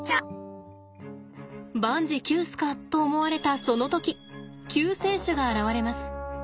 万事休すかと思われたその時救世主が現れます。